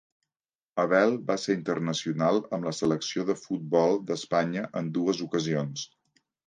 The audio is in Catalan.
Abel va ser internacional amb la selecció de futbol d'Espanya en dues ocasions.